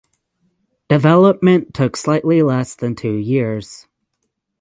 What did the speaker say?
Development took slightly less than two years.